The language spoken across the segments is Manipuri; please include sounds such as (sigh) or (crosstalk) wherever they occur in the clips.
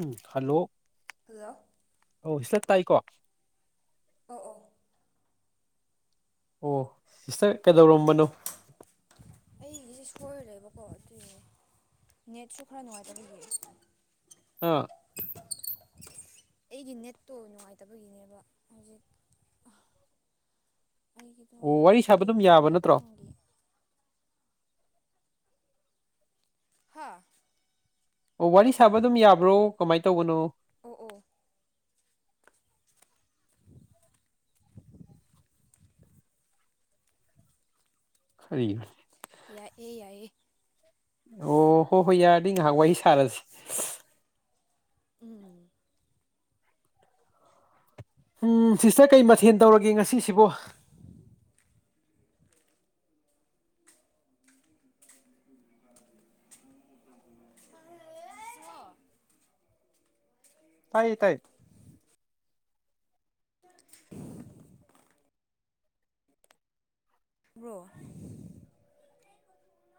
ꯎꯝ ꯍꯜꯂꯣ ꯍꯜꯂꯣ ꯑꯣ ꯁꯤꯁꯇꯔ ꯇꯥꯏꯀꯣ ꯑꯧ ꯑꯧ ꯑꯣ ꯁꯤꯁꯇꯔꯥ ꯀꯩꯗꯧꯔꯝꯕꯅꯣ? ꯑꯩꯒꯤꯁꯦ ꯁꯣꯏꯒꯔ°ꯕꯀꯣ ꯑꯗꯨ ꯅꯦꯠꯁꯨ ꯈꯔ ꯅꯨꯡꯉꯥꯏꯇꯕꯤ ꯁꯤꯗ ꯑꯥꯑ ꯑꯩꯒꯤ ꯅꯦꯠꯇꯨ ꯅꯨꯡꯉꯥꯏꯇꯕꯒꯤ ꯅꯦꯕꯥ ꯍꯧꯖꯤꯛ ꯑꯩꯒꯤꯗꯣ ꯑꯣ ꯋꯥꯔꯤ ꯁꯥꯕ ꯑꯗꯨꯝ ꯁꯣꯏꯕ ꯌꯥꯕ ꯅꯠꯇ꯭ꯔꯣ ꯉꯍꯥꯛꯇꯪꯒꯤ꯫ ꯍꯥ ꯑꯣ ꯋꯥꯔꯤ ꯁꯥꯕ ꯑꯗꯨꯝ ꯌꯥꯕ꯭ꯔꯣ ꯀꯃꯥꯏꯟ ꯇꯧꯕꯅꯣ ꯑꯣ-ꯑꯣ ꯀꯔꯤ ꯌꯥꯏꯑꯦ-ꯌꯥꯏꯌꯦ ꯑꯣ ꯍꯣ-ꯍꯣꯏ ꯌꯥꯔꯗꯤ ꯉꯍꯥꯛ ꯋꯥꯔꯤ ꯁꯥꯔꯖꯤ꯫ ꯎꯝ ꯎꯝ ꯁꯤꯁꯇꯔ ꯀꯩ ꯃꯊꯦꯜ ꯇꯧꯔꯒꯦ ꯉꯁꯤꯁꯤꯕꯣ꯫ (inaudible) ꯇꯥꯏꯌꯦ ꯇꯥꯏ (unintelligible) ꯕ꯭ꯔꯣ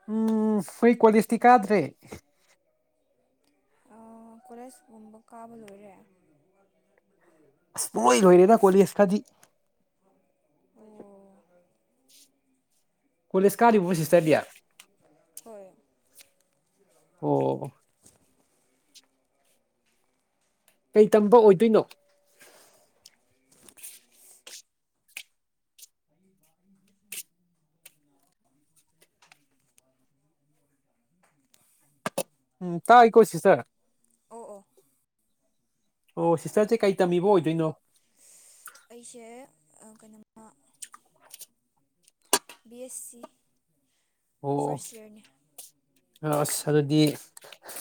ꯎꯝ ꯍꯣꯏ ꯀꯣꯂꯦꯖꯇꯤ ꯀꯥꯗ꯭ꯔꯦ꯫ ꯑꯣ ꯀꯣꯂꯦꯖꯀꯨꯝꯕ ꯀꯥꯕ ꯂꯣꯏꯔꯦ꯫ ꯑꯁ ꯄꯨꯡꯂꯣꯏ ꯂꯣꯏꯔꯦꯗ ꯀꯣꯂꯦꯖꯀꯥꯗꯤ꯫ ꯑꯣ ꯀꯣꯂꯦꯖ ꯀꯥꯔꯤꯕꯣ ꯁꯤꯁꯇꯔꯗꯤ ꯍꯣꯏ ꯑꯣ ꯀꯩ ꯇꯝꯕ ꯑꯣꯏꯗꯣꯏꯅꯣ ꯎꯝ ꯇꯥꯏꯀꯣ ꯁꯤꯁꯇꯔ ꯑꯣ-ꯑꯣ ꯑꯣ ꯁꯤꯁꯇꯔꯖꯦ ꯀꯩ ꯇꯝꯃꯤꯕ ꯑꯣꯏꯗꯣꯏꯅꯣ ꯑꯩꯁꯦ ꯑ-ꯀꯩꯅꯣꯃ ꯕꯤ ꯑꯦꯁ ꯁꯤ ꯑꯣ ꯐꯥꯔꯁ ꯌꯥꯔꯅꯤ꯫ ꯑꯁ ꯑꯗꯨꯗꯤ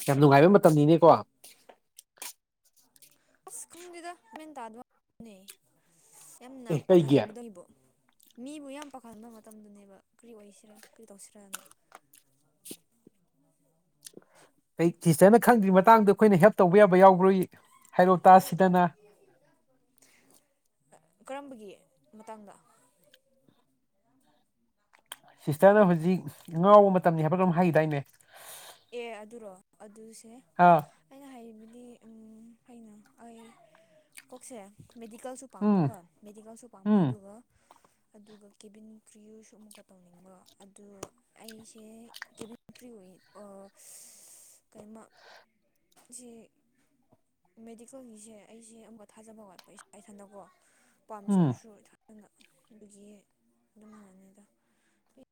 ꯌꯥꯝ ꯅꯨꯡꯉꯥꯏꯕ ꯃꯇꯝꯅꯤꯅꯦꯀꯣ꯫ ꯑꯁ ꯈꯪꯗꯦꯗ ꯃꯦꯟ ꯇꯥꯗꯕꯅꯦ꯫ ꯌꯥꯝꯅ ꯀꯩꯒꯤ ꯄꯥꯈꯠꯍꯟꯕꯗ ꯑꯩꯕꯣ꯫ ꯃꯤꯕꯨ ꯌꯥꯝ ꯄꯥꯈꯠꯍꯟꯕ ꯃꯇꯝꯗꯨꯅꯦꯕ ꯀ꯭ꯔꯤ ꯑꯣꯏꯁꯤꯔꯥ ꯀ꯭ꯔꯤ ꯇꯧꯁꯤꯔꯥꯅ꯫ ꯑꯩ ꯁꯤꯁꯇꯔꯅ ꯈꯪꯗ꯭ꯔꯤ ꯃꯇꯥꯡꯗ ꯑꯈꯣꯏꯅ ꯍꯦꯜꯞ ꯇꯧꯕ ꯌꯥꯕ ꯌꯥꯎꯕ꯭ꯔꯣ ꯍꯥꯏꯔꯣ ꯇꯥꯁꯤꯗꯅ꯫ (unintelligible) ꯀꯔꯝꯕꯒꯤ ꯃꯇꯥꯡꯗ꯫ ꯁꯤꯁꯇꯔꯅ ꯍꯧꯖꯤꯛ ꯉꯥꯎꯕ ꯃꯇꯝꯅꯤ ꯍꯥꯏꯕ꯭ꯔꯥ ꯀꯩꯅꯣꯝ ꯍꯥꯏꯒꯤꯗꯥꯏꯅꯦ꯫ ꯑꯦ ꯑꯗꯨꯔꯣ ꯑꯗꯨ ꯑꯥ ꯗꯤ ꯎꯝ ꯑꯩꯅ ꯑꯩ ꯀꯣꯛꯁꯦ ꯃꯦꯗꯤꯀꯦꯜꯁꯨ ꯎꯝ ꯄꯥꯝꯕꯒꯣ ꯃꯦꯗꯤꯀꯦꯜꯁꯨ ꯄꯥꯝꯕ ꯎꯝ ꯑꯗꯨꯒ ꯑꯗꯨꯒ ꯀꯦꯕꯤꯟ ꯀ꯭ꯔꯤꯌꯨꯁꯨ ꯑꯃꯨꯛꯀ ꯇꯧꯅꯤꯡꯕ ꯑꯗꯨ ꯑꯩꯁꯦ ꯀꯦꯕꯤꯟ ꯀ꯭ꯔꯤꯌꯨ (inaudible) ꯀꯩꯃ ꯖꯦ ꯃꯦꯗꯤꯀꯦꯜꯒꯤꯁꯦ ꯑꯩꯁꯦ ꯑꯃꯨꯛꯀ ꯊꯥꯖꯕ ꯋꯥꯠꯄ ꯏꯁꯥ ꯏꯊꯟꯗꯀꯣ ꯎꯝ ꯄꯥꯝꯖꯔꯁꯨ ꯑꯗꯨꯅ ꯑꯗꯨꯒꯤ ꯑꯗꯨꯃꯥꯅꯦꯗ꯫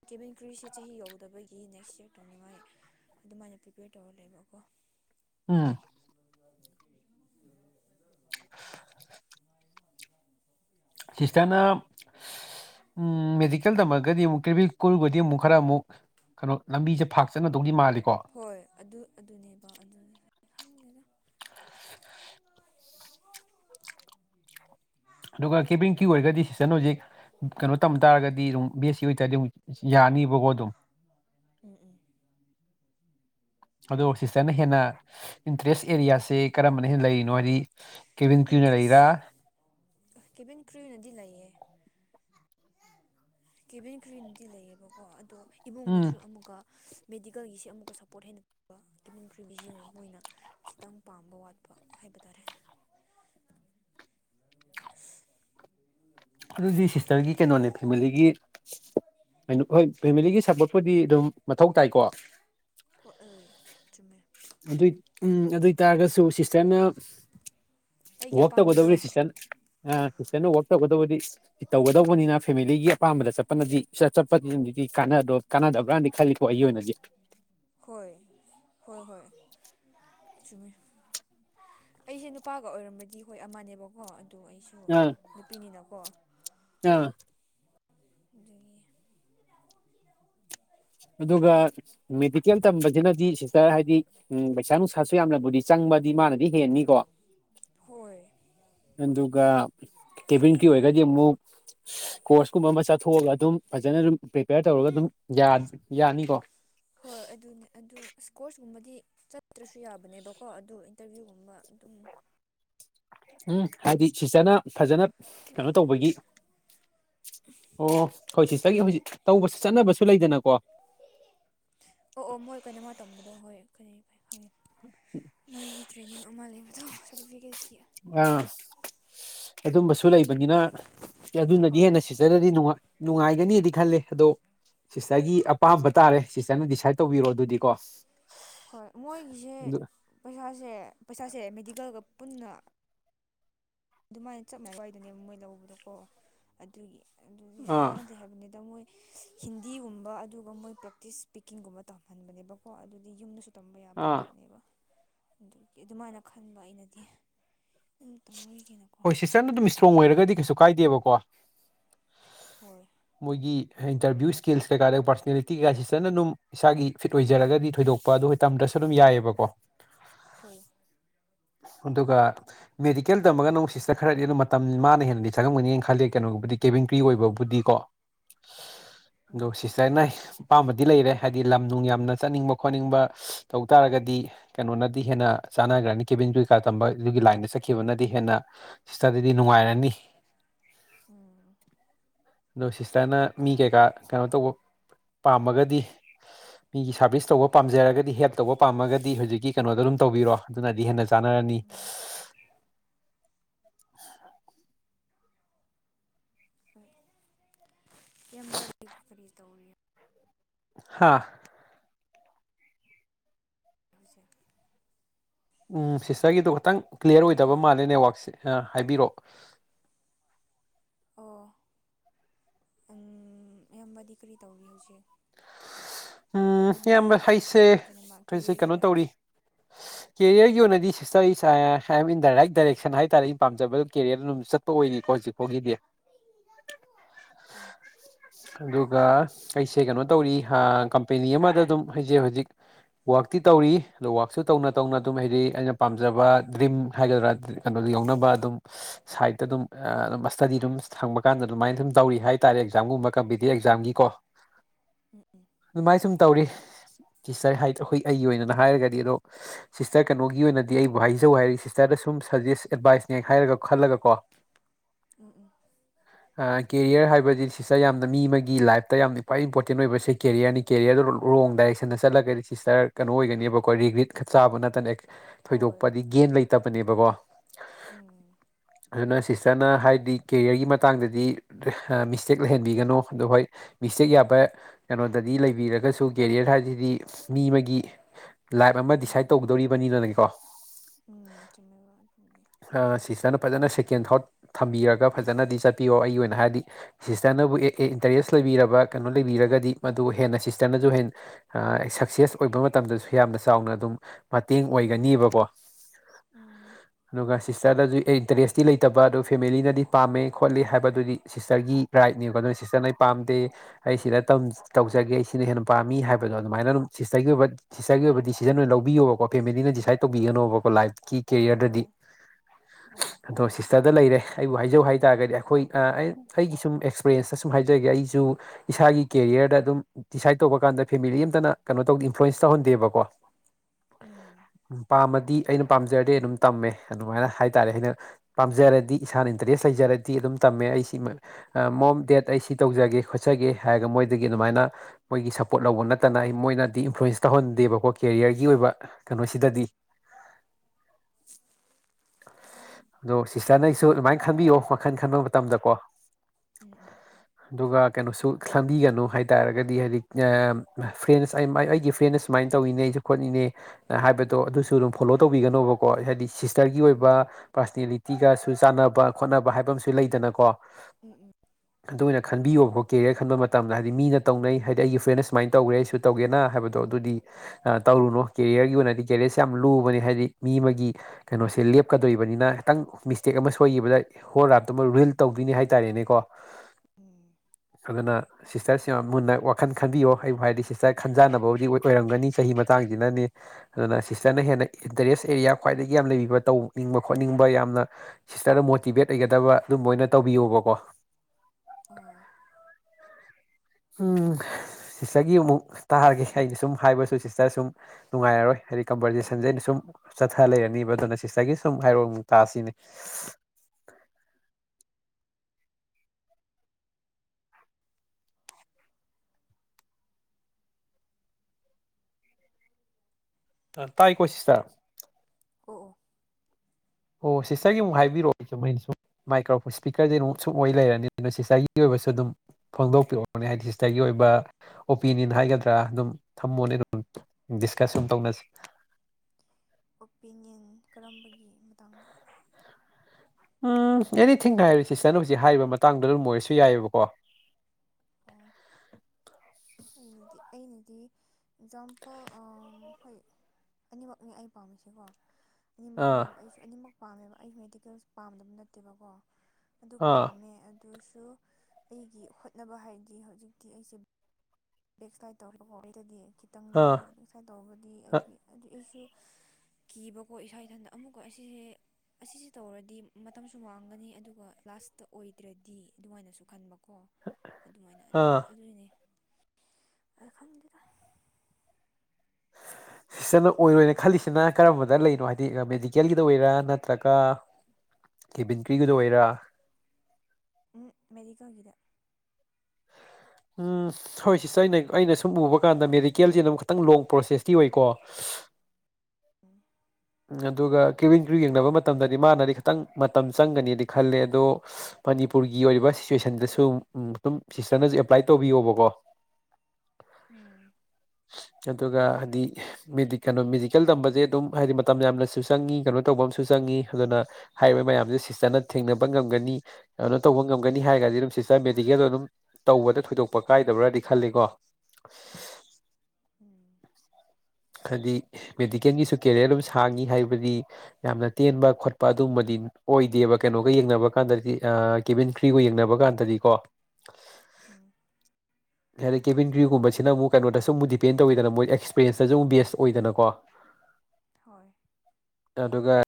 ꯀꯦꯕꯤꯟ ꯀ꯭ꯔꯤꯌꯨꯁꯦ ꯆꯍꯤ ꯌꯧꯗꯕꯒꯤ ꯅꯦꯛꯁ ꯌꯥꯔ ꯇꯧꯅꯤꯡꯉꯥꯏ ꯑꯗꯨꯃꯥꯏꯅ ꯄ꯭ꯔꯤꯄꯦꯌꯔ ꯇꯧꯔ ꯂꯩꯕꯀꯣ꯫ ꯑꯥ (inaudible) ꯁꯤꯁꯇꯔꯅ ꯎꯝ ꯃꯦꯗꯤꯀꯦꯜ ꯇꯝꯃꯒꯗꯤ ꯑꯃꯨꯛ ꯀꯦꯕꯤꯟ ꯀ꯭ꯔꯨꯒꯗꯤ ꯑꯃꯨꯛ ꯈꯔ ꯑꯃꯨꯛ ꯀꯩꯅꯣ ꯂꯝꯕꯤꯁꯦ ꯐꯥꯛ ꯆꯠꯅꯗꯧꯗꯤ ꯃꯥꯜꯂꯤ꯫ ꯍꯣꯏ ꯑꯗꯨ ꯑꯗꯨꯅꯦꯕ ꯑꯗꯨꯅꯦ꯫ ꯈꯪꯗꯦꯗ ꯑꯗꯨꯒ ꯀꯦꯕꯤꯡ ꯀꯤꯌꯨ ꯑꯣꯏꯔꯒꯗꯤ ꯁꯤꯇꯟ ꯍꯧꯖꯤꯛ ꯀꯩꯅꯣ ꯇꯝ ꯇꯥꯔꯒꯗꯤ ꯑꯗꯨꯝ ꯕꯦꯐꯦꯁꯤ ꯑꯣꯏꯇꯥꯔꯗꯤ ꯑꯗꯨ ꯌꯥꯅꯤꯕꯀꯣ ꯑꯗꯨꯝ ꯎꯝ ꯎꯝ ꯑꯗꯣ ꯁꯤꯁꯇꯔꯅ ꯍꯦꯟꯅ ꯏꯟꯇꯔꯦꯁ ꯑꯦꯔꯤꯌꯥꯁꯦ ꯀꯔꯝꯕꯅ ꯍꯦꯟꯅ ꯂꯩꯔꯤꯅꯣ ꯍꯥꯏꯗꯤ ꯀꯦꯕꯤꯟ ꯀ꯭ꯌꯨꯅ ꯂꯩꯔꯥ ꯏꯟꯇꯔꯦꯁ ꯀꯦꯕꯤꯟ ꯀ꯭ꯔꯤꯌꯨꯅꯗꯤ ꯂꯩꯌꯦ ꯀꯦꯕꯤꯟ ꯀ꯭ꯔꯤꯌꯨꯅꯗꯤ ꯂꯩꯌꯦꯕꯀꯣ ꯑꯗꯣ ꯎꯝ ꯏꯕꯨꯡꯅꯁꯨ ꯑꯃꯨꯛꯀ ꯃꯦꯗꯤꯀꯦꯜꯒꯤꯁꯦ ꯑꯃꯨꯛꯀ ꯁꯞꯄꯣꯔꯠ ꯍꯦꯟꯅ ꯀꯦꯃꯤꯇ꯭ꯔꯤꯒꯤꯁꯤꯅ ꯃꯣꯏꯅ ꯈꯤꯇꯪ ꯄꯥꯝꯕ ꯋꯥꯠꯄ ꯍꯥꯏꯕ ꯇꯥꯔꯦ ꯑꯗꯨꯗꯤ ꯁꯤꯁꯇꯔꯒꯤ ꯀꯩꯅꯣꯅꯦ ꯐꯦꯃꯤꯂꯤꯒꯤ ꯍꯣꯏ ꯐꯦꯃꯤꯂꯤꯒꯤ ꯁꯞꯄꯣꯔꯠꯄꯨꯗꯤ ꯑꯗꯨꯝ ꯃꯊꯧ ꯇꯥꯏꯀꯣ ꯍꯣꯢ ꯑꯣꯏ ꯆꯨꯝꯃꯦ ꯑꯗꯨꯏ ꯎꯝ ꯑꯗꯨꯏ ꯇꯥꯔꯒꯁꯨ ꯁꯤꯁꯇꯔꯅ ꯑꯩꯒꯤ ꯋꯥꯛ ꯑꯄꯥꯝꯕꯗꯣ ꯇꯧꯒꯗꯕꯥ ꯁꯦꯁꯟ ꯑ ꯁꯤꯁꯇꯔꯅ ꯋꯥꯛ ꯇꯧꯒꯗꯕꯗꯤ ꯇꯧꯒꯗꯧꯕꯅꯤꯅ ꯐꯦꯃꯤꯂꯤꯒꯤ ꯑꯄꯥꯝꯕꯗ ꯆꯠꯄꯅꯗꯤ ꯏꯁ ꯆꯠ ꯆꯠꯄꯅꯤꯅ ꯃꯤꯒꯤ ꯀꯥꯟꯅꯗꯣ ꯀꯥꯟꯅꯗꯕ꯭ꯔꯥꯅꯗꯤ ꯈꯜꯂꯤꯀꯣ ꯑꯩꯒꯤ ꯑꯣꯏꯅꯗꯤ ꯍꯣꯏ ꯍꯣꯏ ꯍꯣꯏ ꯆꯨꯝꯃꯦ ꯑꯩꯁꯦ ꯅꯨꯄꯥꯒ ꯑꯣꯏꯔꯝꯃꯗꯤ ꯍꯣꯏ ꯑꯃꯅꯦꯕꯀꯣ ꯑꯗ ꯑꯩꯁꯨ ꯑꯥ ꯅꯨꯄꯤꯅꯤꯅꯀꯣ ꯑꯥ ꯑꯗꯨꯗꯒꯤ ꯑꯗꯨꯒ ꯃꯦꯗꯤꯀꯦꯜ ꯇꯝꯕꯁꯤꯅꯗꯤ ꯁꯤꯁꯇꯔ ꯍꯥꯏꯗꯤ ꯄꯩꯁꯥ ꯅꯨꯡꯁꯥꯁꯨ ꯌꯥꯝꯅꯕꯨꯗꯤ ꯆꯪ ꯕꯗꯤ ꯃꯥꯅꯗꯤ ꯍꯦꯟꯅꯤꯀꯣ ꯍꯣꯏ ꯑꯗꯨꯒ ꯀꯦꯕꯤꯟ ꯀꯤꯌꯨ ꯑꯣꯏꯔꯒꯗꯤ ꯑꯃꯨꯛ ꯀꯣꯔꯁ ꯀꯨꯝꯕ ꯑꯃ ꯆꯠꯊꯣꯛꯑꯒ ꯑꯗꯨꯝ ꯐꯖꯅ ꯑꯗꯨꯝ ꯄ꯭ꯔꯤꯄꯦꯌꯔ ꯇꯧꯔꯒ ꯎꯝ ꯑꯗꯨꯝ ꯌꯥ ꯍꯣꯏ ꯑꯗꯨꯅꯦ ꯑꯗꯨ ꯑꯁ ꯀ꯭ꯔꯣꯁ ꯨꯀꯨꯝꯕꯗꯤ ꯆꯠꯇ꯭ꯔꯁꯨ ꯌꯥꯕꯅꯦꯕꯀꯣ ꯑꯗꯨ ꯏꯟꯇꯔꯚꯤꯌꯨꯒꯨꯝꯕ ꯑꯗꯨꯝ ꯎꯝꯍ ꯍꯥꯏꯗꯤ ꯁꯤꯁꯇꯔꯅ ꯐꯖꯅ ꯀꯩꯅꯣ ꯈꯜꯂꯦ ꯇꯧꯕꯒꯤ ꯑꯣ ꯍꯣꯏ ꯊꯤ ꯇꯔꯒꯤ ꯍꯧꯖꯤꯛ ꯇꯧꯕꯁꯨ ꯆꯠꯅꯕꯁꯨ ꯂꯩꯗꯅꯀꯣ ꯑꯣ ꯑꯣ ꯃꯣꯏ ꯀꯣꯏꯅꯃ ꯇꯝꯕꯗꯣ ꯍꯣꯏ ꯀ꯭ꯔꯤ ꯍꯥꯢꯒ꯭ꯔꯦ ꯍꯣꯢ ꯃꯣꯏꯒꯤ ꯇ꯭ꯔꯦꯅꯤꯡ ꯑꯃ ꯂꯩꯕꯗꯣ ꯁꯥꯔꯇꯤꯐꯤꯀꯦꯠꯀꯤ ꯑꯥ ꯑꯗꯨꯝꯕꯁꯨ ꯂꯩꯕꯅꯤꯅ ꯑꯗꯨꯅꯗꯤ ꯍꯣꯏ ꯍꯦꯟꯅ ꯁꯤꯁꯇꯔꯗꯗꯤ ꯅꯨꯡꯉꯥꯏ ꯅꯨꯡꯉꯥꯏꯒꯅꯤꯗꯤ ꯈꯜꯂꯦ ꯑꯗꯣ ꯁꯤꯁꯇꯔꯒꯤ ꯑꯄꯥꯝꯕ ꯇꯥꯔꯦ ꯁꯤꯁꯇꯔꯅ ꯗꯤꯁꯥꯏꯠ ꯇꯧꯕꯤꯔꯣ ꯑꯗꯨꯗꯤꯀꯣ ꯍꯣꯏ ꯃꯣꯏꯒꯤꯁꯦ ꯑꯗꯨ ꯄꯩꯁꯥꯁꯦ ꯄꯩꯁꯥꯁꯦ ꯃꯦꯗꯤꯀꯦꯜꯒ ꯄꯨꯟꯅ ꯑꯗꯨꯃꯥꯏꯅ ꯆꯞ ꯃꯥꯟꯅꯩꯏꯗꯅꯦꯕ ꯃꯣꯏ ꯂꯧꯕꯗꯣꯀꯣ ꯑꯗꯨꯒꯤ ꯑꯗꯨꯗꯤ ꯑꯥ ꯀꯥꯟꯅꯗꯦ ꯍꯥꯏꯕꯅꯤꯗ ꯃꯣꯏ ꯍꯤꯟꯗꯤꯒꯨꯝꯕ ꯑꯗꯨꯒ ꯃꯣꯏ ꯄ꯭ꯔꯦꯛꯇꯤꯁ ꯏꯁꯄꯤꯀꯤꯡꯒꯨꯝꯕ ꯇꯝꯍꯟꯕꯅꯦꯕꯀꯣ ꯑꯗꯨꯗꯤ ꯌꯨꯝꯗꯁꯨ ꯇꯝꯕ ꯌꯥꯕ ꯑꯥ ꯄꯣꯠꯅꯦꯕ ꯑꯗꯨꯒꯤ ꯑꯗꯨꯃꯥꯏꯅ ꯈꯟꯕ ꯑꯩꯅꯗꯤ ꯎꯝ ꯇꯝꯃꯔꯣꯏꯒꯦꯅꯀꯣ ꯍꯣꯏ ꯁꯤꯁꯇꯔꯅ ꯑꯗꯨꯝ ꯏꯁꯇ꯭ꯔꯣꯡ ꯑꯣꯏꯔꯒꯗꯤ ꯀꯩꯁꯨ ꯀꯥꯏꯗꯦꯕꯀꯣ ꯍꯣꯏ ꯃꯣꯏꯒꯤ ꯏꯟꯇꯔꯚꯤꯌꯨ ꯏꯁꯀꯤꯜꯁ ꯀꯩꯀꯥꯗ ꯄꯥꯔꯁꯅꯦꯂꯤꯇꯤ ꯀꯩꯀꯥ ꯁꯤ ꯑꯗꯨꯝ ꯏꯁꯥꯒꯤ ꯐꯤꯠ ꯑꯣꯏꯖꯔꯒꯗꯤ ꯊꯣꯏꯗꯣꯛꯅ ꯊꯣꯢꯗꯣꯛꯄ ꯑꯗꯨ ꯇꯝꯗ꯭ꯔꯁꯨ ꯑꯗꯨꯝ ꯌꯥꯏꯑꯕꯀꯣ ꯍꯣꯏ (inaudible) ꯑꯗꯨꯒ ꯃꯦꯗꯤꯀꯦꯜ ꯇꯝꯃꯒꯅ ꯁꯤꯁꯇꯔ ꯈꯔꯅꯤ ꯑꯗꯨꯝ ꯃꯇꯝ ꯃꯥꯅ ꯍꯦꯟꯅꯗꯤ ꯆꯪꯉꯝꯒꯅꯤꯅ ꯈꯜꯂꯤ ꯀꯩꯅꯣꯒꯤꯕꯨꯨꯗꯤ ꯀꯦꯕꯤꯡ ꯀ꯭ꯔꯤꯌꯨ ꯍꯣꯏ ꯑꯣꯏꯕꯕꯨꯗꯤꯀꯣ ꯑꯗꯣ ꯎꯝ ꯁꯤꯁꯇꯥꯔꯅ ꯑꯄꯥꯝꯕꯗꯤ ꯂꯩꯔꯦ ꯍꯥꯏꯗꯤ ꯂꯝ ꯅꯨꯡ ꯌꯥꯝꯅ ꯆꯠꯅꯤꯡꯕ ꯈꯣꯠꯅꯤꯡꯕ ꯇꯧ ꯇꯥꯔꯒꯗꯤ ꯀꯩꯅꯣꯅꯗꯤ ꯍꯦꯟꯅ ꯆꯥꯟꯅꯈ꯭ꯔꯅꯤ ꯀꯦꯕꯤꯟꯗꯨ ꯀꯩꯀꯥ ꯇꯝꯕ ꯑꯗꯨꯒꯤ ꯂꯥꯏꯟꯗ ꯆꯠꯈꯤꯕꯅꯗꯤ ꯍꯦꯟꯅ ꯁꯤꯁꯇꯔꯗꯗꯤ ꯅꯨꯡꯉꯥꯏꯔꯅꯤ (unintelligible) ꯑꯝ ꯑꯗꯣ ꯁꯤꯁꯇꯔꯅ ꯃꯤ ꯀꯩꯀꯥ ꯀꯩꯅꯣ ꯇꯧꯕ ꯄꯥꯝꯃꯒꯗꯤ ꯃꯤꯒꯤ ꯁꯥꯔꯚꯤꯁ ꯇꯧꯕ ꯄꯥꯝꯖꯔꯒꯗꯤ ꯍꯦꯜꯞ ꯇꯧꯕ ꯄꯥꯝꯃꯒꯗꯤ ꯍꯧꯖꯤꯛꯀꯤ ꯀꯩꯅꯣꯗꯣ ꯑꯗꯨꯝ ꯇꯧꯕꯤꯔꯣ ꯑꯗꯨꯅꯗꯤ ꯍꯦꯟꯅ ꯆꯥꯟꯅꯔꯅꯤ ꯅꯤ (inaudible) ꯎꯝ ꯢꯌꯥꯝꯕꯗꯣ ꯀꯔꯤ ꯇꯧꯔꯤ ꯍꯥꯥ ꯁ (unintelligible) ꯎꯝ ꯁꯤꯁꯇꯔꯒꯤꯗꯣ ꯈꯤꯇꯪ ꯀ꯭ꯂꯤꯌꯥꯔ ꯑꯣꯏꯗꯕ ꯍꯥ ꯃꯥꯜꯂꯦ ꯅꯦꯠꯋꯥꯛꯁꯦ ꯑ ꯍꯥꯏꯕꯤꯔꯛꯑꯣ ꯑꯣ ꯢꯌꯥꯝꯕꯗꯤ ꯀꯔꯤ ꯇꯧꯔꯤ ꯍꯧꯖꯤꯛ ꯎꯝ ꯍꯥꯏꯕꯗꯤ ꯏꯌꯥꯝꯕ ꯍꯩꯁꯦ ꯀꯩꯅꯣꯃ ꯑꯩꯈꯣꯏꯁꯦ ꯀꯩꯅꯣ ꯀꯦꯔꯤꯌꯔꯒꯤꯗ ꯇꯧꯔꯤ ꯀꯦꯔꯤꯌꯔꯒꯤ ꯑꯣꯏꯅꯗꯤ ꯁꯤꯁꯇꯔ ꯑꯩꯁꯤ I am in the right direction ꯍꯥꯏꯇꯥꯔꯦ ꯑꯩꯩꯅ ꯄꯥꯝꯖꯕ ꯀꯦꯔꯤꯌꯔ ꯑꯗꯨꯝ ꯆꯠꯄ ꯑꯣꯏꯔꯤꯀꯣ ꯍꯧꯖꯤꯛ ꯐꯥꯎꯒꯤꯗꯤ ꯑꯣ ꯑꯗꯨꯒ ꯑꯩꯁꯦ ꯀꯩꯅꯣ ꯇꯧꯔꯤ ꯍꯥ ꯀꯝꯄꯦꯅꯤ ꯑꯃꯗ ꯑꯗꯨꯝ ꯍꯥꯏꯁꯦ ꯍꯧꯖꯤꯛ ꯋꯔꯥꯛꯇꯤ ꯇꯧꯔꯤ ꯑꯗꯣ ꯋꯔꯥꯛꯁꯨ ꯇꯧꯅ ꯇꯧꯅ ꯎꯝ ꯑꯗꯨꯝ ꯍꯥꯏꯗꯤ ꯑꯩꯅ ꯄꯥꯝꯖꯕ ꯗ꯭ꯔꯤꯝ ꯍꯥꯏꯒꯗ꯭ꯔꯥ ꯀꯩꯅꯣ ꯌꯧꯅꯕ ꯑꯗꯨꯝ ꯁꯥꯏꯠꯇ ꯑꯗꯨꯝ ꯑꯗꯨꯝ ꯑ꯭ꯇꯗꯤ ꯑꯗꯨꯝ ꯊꯪꯕ ꯀꯥꯟꯗ ꯑꯗꯨꯃꯥꯏꯅ ꯁꯨꯝ ꯇꯧꯔꯤ ꯍꯥꯏꯇꯥꯥꯔꯦ ꯑꯦꯛꯖꯥꯝꯒꯨꯝꯕ ꯀꯝꯄꯤꯇꯤꯚ ꯎꯝ ꯑꯦꯛꯖꯥꯝꯒꯤ ꯎꯝ ꯀꯣ ꯑꯗꯨꯃꯥꯏꯅ ꯁꯨꯝ ꯇꯧꯔꯤ ꯁꯤꯁꯇꯔ ꯍꯥꯏ ꯑꯩꯈꯣꯏ ꯑꯩꯒꯤ ꯑꯣꯏꯅꯅ ꯍꯥꯏꯔꯒꯗꯤ ꯑꯗꯣ ꯁꯤꯁꯇꯔ ꯀꯩꯅꯣꯒꯤ ꯑꯣꯏꯅꯗꯤ ꯑꯩꯕꯨ ꯍꯥꯏꯖꯧ ꯍꯥꯏ ꯁꯤꯁꯇꯔꯗ ꯁꯨꯝ ꯁꯖꯦꯁ ꯑꯦꯗꯚꯥꯏꯁꯅꯦ ꯍꯥꯏꯔꯒ ꯈꯜꯂꯒ ꯀꯣ ꯎꯝ ꯎꯝ ꯀꯦꯔꯤꯌꯔ ꯍꯥꯏꯕꯗꯤ ꯁꯤꯗ ꯌꯥꯝꯅ ꯃꯤ ꯑꯃꯒꯤ ꯂꯥꯏꯐꯇ ꯌꯥꯝꯅ ꯈ꯭ꯋꯥꯏ ꯏꯝꯄꯣꯔꯇꯦꯟ ꯑꯣꯏꯕ ꯀꯦꯔꯤꯌꯔꯅꯤ ꯀꯦꯔꯤꯌꯔꯗꯨꯣ ꯔꯣꯡ ꯗꯥꯏꯔꯦꯛꯁꯟꯗ ꯆꯠꯂꯒꯗꯤ ꯁꯤꯁꯇꯔ ꯀꯩꯅꯣ ꯑꯣꯏꯒꯅꯦꯕꯀꯣ ꯔꯤꯒ꯭ꯔꯤꯠ ꯆꯥꯕ ꯅꯠꯇꯅ ꯑꯦ ꯍꯣꯏ ꯊꯣꯏꯗꯣꯛꯄꯗꯤ ꯒꯦꯟ ꯂꯩꯇꯕꯅꯦꯕꯀꯣ ꯎꯝ ꯑꯗꯨꯅ ꯁꯤꯁꯇꯔꯅ ꯍꯥꯏꯗꯤ ꯀꯦꯔꯤꯌꯔꯒꯤ ꯃꯇꯥꯡꯗꯗꯤ ꯃꯤꯁꯇꯦꯛ ꯂꯩꯍꯟꯕꯤꯒꯅꯨ ꯑꯗꯣ ꯍꯣꯏ ꯃꯤꯁ ꯆꯦꯛ ꯌꯥꯕ ꯀꯩꯅꯣꯗꯗꯤ ꯂꯩꯕꯤꯔꯒꯁꯨ ꯀꯦꯔꯤꯌꯔ ꯍꯥꯏꯕꯁꯤꯗꯤ ꯃꯤ ꯑꯃꯒꯤ ꯂꯥꯏꯞ ꯑꯃ ꯆꯨꯝꯃꯦ ꯗꯤꯁꯥꯏꯠ ꯆꯨꯝꯃꯦ ꯇꯧꯒꯗꯧꯔꯤꯕꯅꯤꯅꯀꯣ ꯎꯝ ꯆꯨꯝꯃꯦꯕ ꯑꯗꯨꯅꯦ ꯑ ꯁꯤꯁꯇꯔꯅ ꯐꯖꯅꯥ ꯁꯦꯒꯣꯟꯗ ꯇꯥꯎꯇ ꯊꯝꯕꯤꯔꯒ ꯐꯖꯅꯗꯤ ꯆꯠꯄꯤꯌꯣ ꯑꯩꯒꯤ ꯑꯣꯏꯅ ꯍꯥꯏꯗꯤ ꯁꯤꯁꯇꯔꯅꯕꯨ ꯑꯦ ꯑꯦ ꯏꯟꯇꯔꯦꯁ ꯂꯩꯕꯤꯔꯕ ꯀꯩꯅꯣ ꯂꯩꯕꯤꯔꯒꯗꯤ ꯃꯗꯨ ꯍꯦꯟꯅ ꯁꯤꯁꯇꯔꯅꯁꯨ ꯍꯦ ꯁꯛꯁꯦꯁ ꯑꯣꯏꯕ ꯃꯇꯝꯗꯁꯨ ꯌꯥꯝꯅ ꯆꯥꯎꯅ ꯑꯗꯨꯝ ꯃꯇꯦꯡ ꯑꯣꯏ ꯂꯩꯩꯒꯅꯦꯕꯀꯣ ꯎꯝ ꯑꯗꯨꯒ ꯁꯤꯁꯇꯔꯗꯁꯨ ꯏꯟꯇꯔꯦꯁꯇꯤ ꯂꯩꯇꯕ ꯑꯣ ꯐꯦꯃꯤꯂꯤꯅꯗꯤ ꯄꯥꯝꯃꯦ ꯈꯣꯠꯂꯤꯦ ꯍꯥꯏꯕꯗꯨꯗꯤ ꯁꯤꯁꯇꯔꯒꯤ ꯔꯥꯏꯠꯅꯦꯕ ꯁꯤꯗꯅ ꯑꯩ ꯄꯥꯝꯗꯦ ꯑꯩ ꯁꯤꯗ ꯇꯧꯖꯒꯦ ꯁꯤꯅ ꯍꯦꯟꯅ ꯄꯥꯝꯃꯤ ꯍꯥꯏꯕꯗꯣ ꯑꯗꯨꯃꯥꯏꯅ ꯑꯗꯨꯝ ꯁꯤꯁꯇꯔꯒꯤ ꯑꯣꯏꯕ ꯁꯤꯁꯇꯔꯒꯤ ꯑꯣꯏꯕ ꯗꯤꯁꯤꯖꯟ ꯑꯣꯏꯅ ꯂꯧꯕꯤꯌꯣꯕꯀꯣ ꯐꯦꯃꯤꯂꯤꯅ ꯗꯤꯁꯥꯏꯠ ꯇꯧꯕꯤꯒꯅꯣꯕꯀꯣ ꯂꯥꯏꯐꯀꯤ ꯀꯦꯔꯤꯌꯔꯗꯗꯤ ꯍꯣꯏ ꯍꯣꯏ ꯑꯗꯣ ꯁꯤꯁꯇꯔꯗ ꯂꯩꯔꯦ ꯑꯩꯕꯨ ꯍꯥꯏꯖꯧ ꯍꯥꯏꯇꯥꯔꯒꯗꯤ ꯑꯩꯈꯣꯏ ꯑꯩꯒꯤ ꯁꯨꯝ ꯑꯦꯛꯁꯄꯔꯌꯦꯦꯟꯁꯇ ꯁꯨꯝ ꯍꯥꯏꯖꯒꯦ ꯑꯩꯁꯨ ꯏꯁꯥꯒꯤ ꯀꯦꯔꯤꯌꯔꯗ ꯑꯗꯨꯝ ꯗꯤꯁꯥꯏꯠ ꯇꯧꯕ ꯀꯥꯟꯗ ꯐꯦꯃꯤꯂꯤ ꯑꯃꯝꯇꯅ ꯀꯩꯅꯣ ꯇꯧꯗꯦ ꯏꯟꯐ꯭ꯂꯨꯌꯦꯟꯁ ꯇꯧꯍꯟꯗꯦꯕꯀꯣ ꯎꯝ ꯄꯃ (unintelligible) (inaudible) ꯗꯤ ꯑꯩꯅ ꯄꯥꯝꯖꯔꯗꯤ ꯑꯗꯨꯝ ꯇꯝꯃꯦ ꯑꯗꯨꯃꯥꯏꯅ ꯍꯥꯏꯇꯥꯥꯔꯦ ꯑꯩꯅ ꯄꯥꯝꯖꯔꯗꯤ ꯏꯁꯥꯅ ꯏꯟꯇꯔꯦꯁ ꯂꯩꯖꯔꯗꯤ ꯑꯗꯨꯝ ꯇꯝꯃꯦ ꯑꯩ ꯃꯣꯝ ꯗꯦꯠ ꯑꯩ ꯁꯤ ꯇꯧꯖꯒꯦ ꯈꯣꯠꯆꯒꯦ ꯍꯥꯏꯔꯒ ꯃꯣꯏꯗꯒꯤ ꯑꯗꯨꯃꯥꯏꯅ ꯃꯣꯏꯒꯤ ꯁꯄꯣꯔꯠ ꯂꯧꯕ ꯅꯠꯇꯅ ꯑꯩ ꯃꯣꯏꯅꯗꯤ ꯏꯟꯐ꯭ꯂꯨꯌꯦꯟꯁ ꯇꯧꯍꯟꯗꯦꯕꯀꯣ ꯀꯦꯔꯤꯌꯔꯒꯤ ꯑꯣꯏꯕ ꯀ ꯃꯁꯤꯗꯗꯤ ꯑꯗꯣ ꯁꯤꯁꯇꯔꯅ ꯑꯩꯁꯨ ꯑꯗꯨꯃꯥꯏꯅ ꯈꯟꯕꯤꯌꯣ ꯋꯥꯈꯜ ꯈꯟꯕ ꯃꯇꯝꯗꯀꯣ ꯎꯝ ꯎꯝ ꯑꯗꯨꯒ ꯀꯩꯅꯣꯁꯨ ꯈꯕꯤꯒꯅꯨ ꯍꯥꯏꯇꯥꯥꯔꯒꯗꯤ ꯍꯥꯏꯗꯤ ꯐ꯭ꯔꯦꯟ ꯑꯩꯒꯤ ꯐ꯭ꯔꯦꯟ ꯁꯨꯃꯥꯏꯅ ꯇꯧꯋꯅꯦ ꯑꯩꯁꯨ ꯈꯣꯠꯅꯤꯡꯅꯦ ꯍꯥꯏꯕꯗꯣ ꯑꯗꯨꯁꯨ ꯑꯗꯨꯝ ꯐꯣꯂꯣ ꯇꯧꯕꯤꯒꯅꯣꯕꯀꯣ ꯍꯥꯏꯗꯤ ꯁꯤꯁꯇꯔꯒꯤ ꯍꯣꯏ ꯑꯣꯏꯕ ꯄꯥꯔꯁꯅꯦꯂꯤꯇꯤꯒꯁꯨ ꯆꯥꯟꯅꯕ ꯈꯣꯠꯅꯕ ꯍꯥꯏꯕ ꯑꯃꯁꯨ ꯂꯩꯗꯅꯀꯣ ꯎꯝ ꯎꯝ ꯑꯗꯨ ꯑꯣꯏꯅ ꯈꯟꯕꯤꯌꯣꯕ ꯀꯦꯔꯤꯌꯔ ꯈꯟꯕ ꯃꯇꯝꯗ ꯍꯥꯏꯗꯤ ꯍꯥꯏ ꯃꯤꯅ ꯇꯧꯅꯩ ꯍꯥꯏꯗꯤ ꯑꯩꯒꯤ ꯐ꯭ꯔꯦꯟ ꯁꯨꯃꯥꯏꯅ ꯇꯧꯈ꯭ꯔꯦ ꯑꯩꯁꯨ ꯇꯧꯒꯦꯅ ꯍꯥꯏꯕꯗꯣ ꯑꯗꯨꯗꯤ ꯇꯧꯔꯨꯅꯣ ꯀꯦꯔꯤꯌꯔꯒꯤ ꯑꯣꯏꯅ ꯍꯥꯏ ꯀꯦꯔꯤꯁꯦ ꯌꯥꯝ ꯂꯨꯕꯅꯤ ꯍꯥꯏꯗꯤ ꯃꯤ ꯑꯃꯒꯤ ꯀꯩꯅꯣꯁꯦ ꯂꯦꯞꯀꯗꯣꯏꯕꯅꯤꯅ ꯈꯤꯇꯪ ꯃꯤꯁꯇꯦꯛ ꯑꯃ ꯁꯈꯤꯕ ꯍꯥꯏꯕꯗ ꯍꯣꯔ ꯔꯥꯞꯇꯨꯃ ꯔꯤꯜ ꯇꯧꯗꯣꯏꯅꯤ ꯍꯥꯏꯇꯥꯔꯦꯅꯦꯀꯣ ꯎꯝ ꯑꯗꯨꯅ ꯁꯤꯁꯇꯔꯁꯤ ꯃꯨꯟꯅ ꯋꯥꯈꯜ ꯈꯟꯕꯤꯌꯣ ꯑꯩ ꯍꯥꯏꯔꯗꯤ ꯁꯤꯁꯇꯔ ꯈꯟꯖꯥꯟꯅꯕꯕꯨꯗꯤ ꯑꯣꯏꯔꯝꯒꯅꯤ ꯆꯍꯤ ꯃꯇꯥꯡꯁꯤꯅꯅꯦ ꯑꯗꯨꯅ ꯁꯤꯁꯇꯔꯅ ꯍꯦꯟꯅ ꯏꯟꯇꯔꯦꯁ ꯑꯦꯔꯤꯌꯥ ꯈ꯭ꯋꯥꯏꯗꯒꯤ ꯌꯥꯝꯅ ꯂꯩꯕꯤꯕ ꯇꯧꯅꯤꯡꯕ ꯈꯣꯠꯅꯤꯡꯕ ꯌꯥꯝꯅ ꯁꯤꯇꯔ ꯃꯣꯇꯤꯚꯦꯠ ꯑꯣꯏꯒꯗꯕ ꯑꯗꯨꯝꯕ ꯑꯣꯏꯅ ꯇꯧꯕꯤꯌꯣꯕꯀꯣ ꯍꯣꯏ ꯎꯝ ꯁꯤꯁꯇꯔꯒꯤ ꯑꯃꯨꯛ ꯇꯥꯔꯒꯦ ꯑꯩꯅ ꯁꯨꯝ ꯍꯥꯏꯕꯁꯨ ꯁꯤꯁꯇꯔ ꯁꯨꯝ ꯅꯨꯡꯉꯥꯏꯔꯣꯏ ꯍꯥꯏꯗꯤ ꯀꯝꯄꯣꯇꯁꯟꯁꯦ ꯑꯩꯅ ꯁꯨꯝ ꯆꯠꯊ ꯂꯩꯔꯅꯤꯕ ꯑꯗꯨꯅ ꯁꯤꯁꯇꯔꯒꯤ ꯁꯨꯝ ꯍꯥꯏꯔꯣ ꯇꯥꯁꯤꯅꯦ (inaudible) ꯑ ꯇꯥꯏ ꯀꯁꯤꯁ ꯇꯔ ꯑꯣꯑꯣ ꯑꯣ ꯁꯤꯁꯇꯔꯒꯤ ꯑꯃꯨꯛ ꯍꯥꯏꯕꯤꯔꯛꯑꯣ ꯑꯩꯁꯨ ꯃꯩꯅ ꯁꯨꯝ ꯃꯥꯏꯀ꯭ꯔꯣꯐꯣꯟ ꯏꯁꯄꯤꯀꯔꯁꯩ ꯑꯃꯨꯛ ꯁꯨꯝ ꯑꯣꯏ ꯂꯩꯔꯅꯤ ꯑꯗꯨꯅ ꯁꯤꯁꯇꯔꯒꯤ ꯑꯣꯏ ꯋꯁ ꯑꯗꯨꯝ ꯐꯣꯡꯗꯣꯛꯄꯤꯔꯛꯑꯣꯅꯦ ꯍꯥꯏꯗꯤ ꯁꯤꯇꯔꯒꯤ ꯑꯣꯏꯕ ꯑꯣꯄꯤꯅꯤꯌꯟ ꯍꯥꯏꯒꯗ꯭ꯔꯥ ꯑꯗꯨꯝ ꯊꯝꯃꯣꯅꯦ ꯑꯗꯨꯝ ꯗꯤꯁꯀꯁ ꯑꯗꯨꯨꯝ ꯇꯧꯅꯁꯤ ꯑꯣꯄꯤꯅꯤꯌꯟ ꯀꯔꯝꯕꯒꯤ ꯃꯇꯥꯡꯗ ꯎꯝ ꯑꯦꯅꯤꯊꯤꯡ ꯍꯥꯏꯔꯤ ꯁꯤꯁꯇꯔꯅ ꯍꯧꯖꯤꯛ ꯍꯥꯏꯔꯤꯕ ꯃꯇꯥꯡꯗꯨ ꯑꯗꯨꯝ ꯑꯣꯏꯔꯁꯨ ꯌꯥꯏꯑꯕꯀꯣ ꯑꯣ ꯑꯩꯅꯗꯤ ꯑꯩꯅꯗꯤ ꯑꯦꯛꯖꯥꯝꯄꯜ ꯍꯣꯏ ꯑꯅꯤꯃꯛꯅꯤ ꯑꯩ ꯄꯥꯝꯃꯤꯁꯤꯀꯣ ꯑꯥ ꯑꯅꯤꯃꯛꯅꯦꯕ ꯑꯩꯁꯨ ꯑꯅꯤꯃꯛ ꯄꯥꯝꯃꯦꯕ ꯑꯩꯁꯨ ꯃꯦꯗꯤꯀꯦꯜꯁꯨ ꯄꯥꯝꯗꯕ ꯅꯠꯇꯦꯕꯀꯣ ꯑꯗꯨ ꯑꯥ ꯄꯥꯝꯃꯦ ꯑꯗꯨꯁꯨ ꯑꯩꯒꯤ ꯍꯣꯠ ꯈꯠꯅꯕ ꯍꯥꯏꯗꯤ ꯍꯧꯖꯤꯛꯇꯤ ꯑꯩꯁꯦ ꯕꯦꯛꯁ꯭ꯂꯥꯏꯠ ꯇꯧꯔꯒꯗꯤ ꯈꯤꯇꯪꯅꯤ ꯑꯥ ꯑꯗꯨ ꯏꯁꯥ ꯇꯧꯔꯒꯗꯤ ꯑꯥ ꯑꯩꯒꯤ ꯑꯗꯨ ꯑꯩꯁꯨ (inaudible) ꯀꯤꯕꯀꯣ ꯏꯁꯥ ꯏꯊꯟꯇ ꯑꯃꯨꯛꯀ ꯑꯁꯤꯁꯦ ꯑꯁꯤꯁꯤ ꯇꯧꯔꯗꯤ ꯃꯇꯝꯁꯨ ꯃꯥꯡꯒꯅꯤ ꯑꯗꯨꯒ ꯂꯥꯁꯇ ꯑꯣꯏꯗ꯭ꯔꯗꯤ ꯑꯗꯨꯃꯥꯏꯅꯁꯨ ꯈꯟꯕꯀꯣ ꯀꯣ ꯑꯗꯨꯃꯥꯏꯅ ꯑꯗꯨ ꯑꯥ ꯑꯗꯨꯒꯤꯅꯦ ꯔ ꯈꯪꯗ (inaudible) (inaudible) ꯁꯤꯅ ꯑꯣꯏꯔꯣꯏꯅ ꯈꯜꯂꯤꯁꯤꯅ ꯀꯔꯝꯕꯗ ꯂꯩꯔꯤꯅꯣ ꯍꯥꯏꯕꯗꯤ ꯃꯦꯗꯤꯀꯦꯜꯒꯤꯗ ꯑꯣꯏꯔꯥ ꯅꯠꯇ꯭ꯔꯒ ꯀꯦꯕꯤꯟ ꯀ꯭ꯔꯤꯒꯤꯗ ꯑꯣꯏꯔ ꯎꯝ ꯃꯦꯔꯤꯒꯒꯗ (inaudible) ꯎꯝ ꯍꯣꯏ ꯁꯤꯁ ꯑꯩꯅ ꯑꯩꯅ ꯁꯨꯝ ꯎꯕ ꯀꯥꯟꯗ ꯃꯦꯗꯤꯀꯦꯜꯁꯤ ꯑꯗꯨꯝ ꯈꯤꯇꯪ ꯂꯣꯡ ꯄ꯭ꯔꯣꯁꯦꯁꯀꯤꯤ ꯑꯣꯏꯀꯣ (inaudible) ꯎꯝ ꯑꯗꯨꯒ ꯀ꯭ꯋꯤꯡ ꯀ꯭ꯌꯨ ꯌꯦꯡꯅꯕ ꯃꯇꯝꯗꯗꯤ ꯃꯥꯅꯗꯤ ꯈꯤꯇꯪ ꯃꯇꯝ ꯆꯪꯒꯅꯤꯗꯤ ꯈꯜꯂꯦ ꯑꯗꯣ ꯃꯅꯤꯄꯨꯔꯒꯤ ꯑꯣꯏꯔꯤꯕ ꯁꯤꯆꯨꯋꯦꯁꯟꯗꯁꯨ ꯁꯝ ꯁꯤꯁꯇꯔꯅꯁꯨ ꯑꯦꯄ꯭ꯂꯥꯏ ꯇꯧꯕꯤꯌꯣꯕꯀꯣ ꯎꯝ ꯑꯗꯨꯒ ꯍꯥꯏꯗꯤꯦꯗꯤ ꯀꯩꯅꯣ ꯃꯦꯗꯤꯀꯦꯜ ꯇꯝꯕꯁꯦ ꯑꯗꯨꯝ ꯍꯥꯏꯗꯤ ꯃꯇꯝ ꯌꯥꯝꯅꯁꯨ ꯆꯪꯏꯤ ꯀꯩꯅꯣ ꯇꯧꯕ ꯑꯃꯁꯨ ꯆꯪꯉꯤ ꯑꯗꯨꯅ ꯍꯥꯏꯋꯦ ꯃꯌꯥꯝꯁꯦ ꯁꯤꯆꯅ ꯊꯦꯡꯅꯕ ꯉꯝꯒꯅꯤ ꯀꯅꯣ ꯇꯧꯕ ꯉꯝꯒꯅꯤ ꯍꯥꯏꯔꯒꯗꯤ ꯑꯗꯨꯝ ꯁꯤꯁꯇꯔ ꯃꯦꯗꯤꯀꯦꯜꯗꯣ ꯑꯗꯨꯝ ꯇꯧꯕꯗ ꯊꯣꯏꯗꯣꯛꯄ ꯀꯥꯏꯗꯕ꯭ꯔꯗꯤ ꯈꯜꯂꯤꯀꯣ (inaudible) ꯎꯝ ꯍꯥꯏꯗꯤ ꯃꯦꯗꯤꯀꯦꯜꯒꯤꯁꯨ ꯀꯦꯔꯤꯌꯔ ꯑꯗꯨ ꯁꯥꯡꯏꯤ ꯍꯥꯏꯕꯗꯤ ꯌꯥꯝꯅ ꯇꯦꯟꯕ ꯈꯣꯠꯄ ꯑꯗꯨꯒꯨꯝꯕꯗꯤ ꯑꯣꯏꯗꯦꯕ ꯀꯩꯅꯣꯒ ꯌꯦꯡꯅꯕ ꯀꯥꯟꯗꯗꯤ ꯑ ꯀꯦꯕꯤꯟ ꯈ꯭ꯔꯤꯒ ꯌꯦꯡꯅꯕ ꯀꯥꯟꯗꯗꯤꯀꯣ ꯎꯝ ꯍꯥꯏꯗꯤ ꯀꯦꯕꯤ ꯒ꯭ꯔꯤꯒꯨꯝꯕꯁꯤꯅꯨꯛ ꯀꯩꯅꯣꯗꯁꯨ ꯑꯃꯨ ꯗꯤꯄꯦꯟ ꯇꯧꯋꯗꯅ ꯃꯣꯏ ꯑꯦꯛꯁꯄꯤꯔꯦꯟꯁ ꯐꯖ ꯑꯃꯨꯛ ꯕꯦꯁ ꯑꯣꯏꯗꯅꯀꯣ ꯍꯣꯏ ꯑꯗꯨꯒ